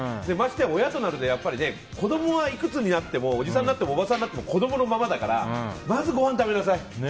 ましてや親となると子供はいくつになってもおじさんになってもおばさんになっても子供のままだからまずごはん食べなさい。